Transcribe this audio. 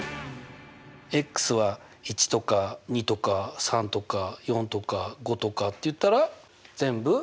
は１とか２とか３とか４とか５とかっていったら全部？